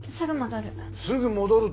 すぐ戻る。